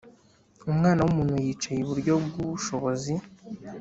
Umwana w umuntu yicaye iburyo bw ubushobozi